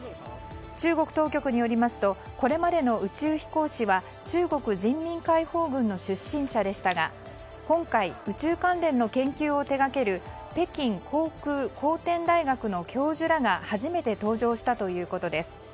中国当局によりますとこれまでの宇宙飛行士は中国人民解放軍の出身者でしたが今回、宇宙関連の研究を手掛ける北京航空航天大学の教授らが初めて登場したということです。